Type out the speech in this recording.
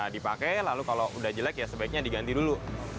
dipakai lalu kalau udah jelek ya sebaiknya diganti dulu